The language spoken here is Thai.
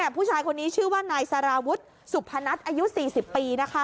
ผู้ชายคนนี้ชื่อว่านายสารวุฒิสุพนัทอายุ๔๐ปี